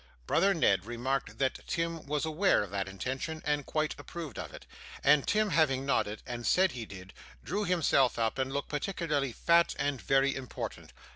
Brother Ned remarked that Tim was aware of that intention, and quite approved of it; and Tim having nodded, and said he did, drew himself up and looked particularly fat, and very important.